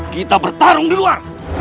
kita bertarung di luar